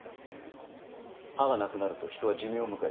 歯がなくなると人は寿命を迎える。